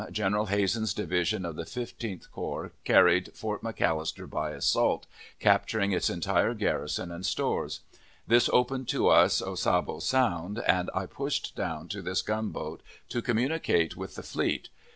General Hazen's division of the Fifteenth Corps carried Fort McAllister by assault, capturing its entire garrison and stores. This opened to us Ossabaw Sound, and I pushed down to this gunboat to communicate with the fleet.